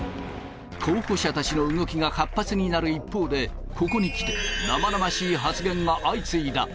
候補者たちの動きが活発になる一方で、ここに来て、生々しい発言が相次いだ。